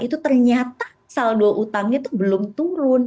itu ternyata saldo utangnya itu belum turun